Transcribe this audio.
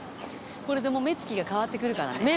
これでもう目付きが変わってくるからね。